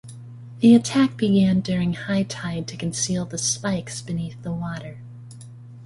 The attack began during high tide to conceal the spikes beneath the water.